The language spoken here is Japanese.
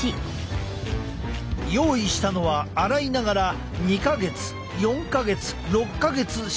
用意したのは洗いながら２か月４か月６か月使用したタオル。